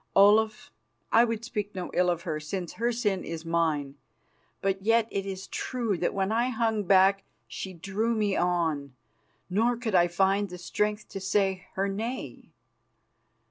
Olaf, I would speak no ill of her, since her sin is mine, but yet it is true that when I hung back she drew me on, nor could I find the strength to say her nay.